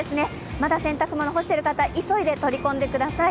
まだ洗濯物干してる方、急いで取り込んでください。